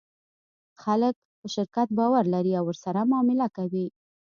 خلک په شرکت باور لري او ورسره معامله کوي.